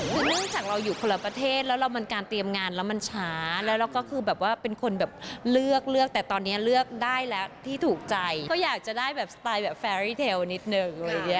คือเนื่องจากเราอยู่คนละประเทศแล้วเรามันการเตรียมงานแล้วมันช้าแล้วเราก็คือแบบว่าเป็นคนแบบเลือกเลือกแต่ตอนนี้เลือกได้แล้วที่ถูกใจก็อยากจะได้แบบสไตล์แบบแฟรีเทลนิดนึงอะไรอย่างเงี้